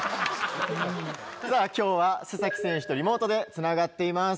今日は須選手とリモートでつながっています。